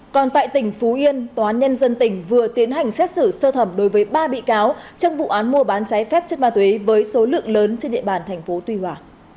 còn tại tỉnh phú yên tòa nhân dân tỉnh vừa tiến hành xét xử sơ thẩm đối với ba bị cáo trong vụ án mua bán trái phép chất ma túy với số lượng lớn trên địa bàn tp tuy hòa